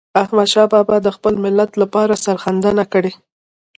احمدشاه بابا د خپل ملت لپاره سرښندنه کړې ده.